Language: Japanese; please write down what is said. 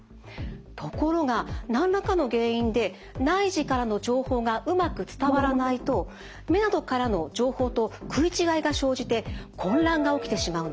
ところが何らかの原因で内耳からの情報がうまく伝わらないと目などからの情報と食い違いが生じて混乱が起きてしまうんです。